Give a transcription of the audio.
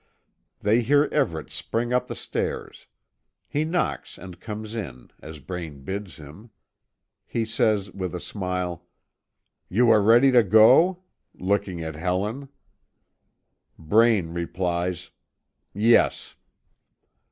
They hear Everet spring up the stairs. He knocks and comes in, as Braine bids him. He says, with a smile: "You are ready to go?" looking at Helen. Braine replies: "Yes."